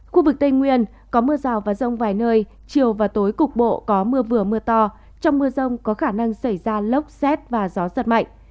khu vực tây nguyên có mưa rào và rông vài nơi chiều và tối cục bộ có mưa vừa mưa to trong mưa rông có khả năng xảy ra lốc xét và gió giật mạnh